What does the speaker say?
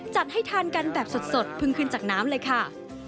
จัดให้ทานกันแบบสดเพิ่งขึ้นจากน้ำเลยค่ะ